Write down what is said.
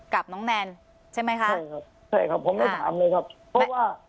กับน้องแนนใช่ไหมคะใช่ครับใช่ครับผมไม่ถามเลยครับเพราะว่า